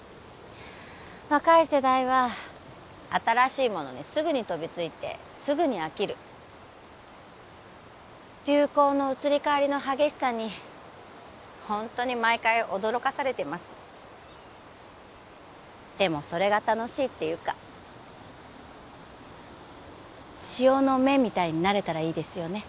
若い世代は新しいものにすぐに飛びついてすぐに飽きる流行の移り変わりの激しさにホントに毎回驚かされてますでもそれが楽しいっていうか潮の目みたいになれたらいいですよね